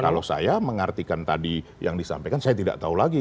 kalau saya mengartikan tadi yang disampaikan saya tidak tahu lagi